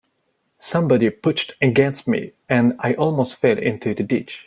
Somebody pushed against me, and I almost fell into the ditch.